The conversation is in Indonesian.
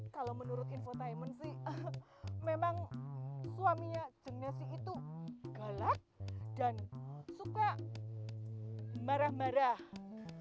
kalau menurut infotainment sih memang suaminya jengnesi itu galak dan suka marah marah ah yang bener ente